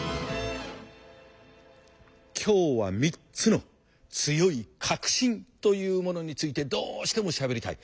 今日は３つの強い「確信」というものについてどうしてもしゃべりたい！